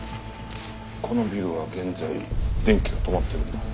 このビルは現在電気が止まってるんだ。